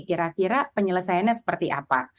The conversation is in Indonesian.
kira kira penyelesaiannya seperti apa